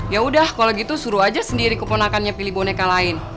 yaudah kalo gitu suruh aja sendiri keponakannya pilih boneka lain